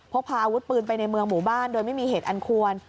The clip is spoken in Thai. พกพาอาวุธปืนไปในเมืองหมู่บ้านโดยไม่มีเหตุอันควร